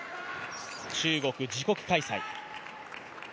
中国、自国開催。